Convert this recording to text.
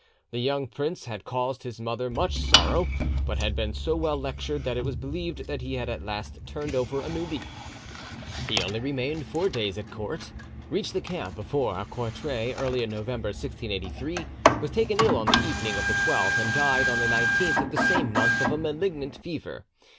The young prince had caused his mother much sorrow, but had been so well lectured that it was believed that he had at last turned over a new leaf." He only remained four days at court, reached the camp before Courtrai early in November 1683, was taken ill on the evening of the 12th, and died on the 19th of the same month of a malignant fever.